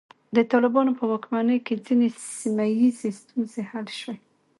د طالبانو په واکمنۍ کې ځینې سیمه ییزې ستونزې حل شوې.